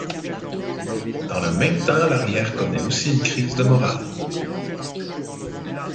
Dans le même temps, l'arrière connaît aussi une crise de morale.